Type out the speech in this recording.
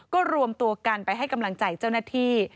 ก็รวมตัวกันไปให้กำลังใจเจ้าหน้าที่